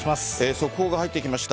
速報が入ってきました。